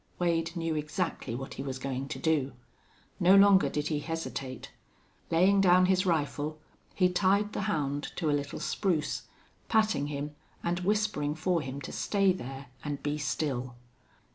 Wade knew exactly what he was going to do. No longer did he hesitate. Laying down his rifle, he tied the hound to a little spruce, patting him and whispering for him to stay there and be still.